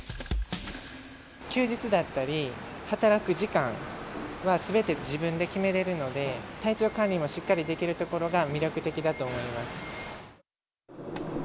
休日だったり、働く時間はすべて自分で決めれるので、体調管理もしっかりできるところが魅力的だと思います。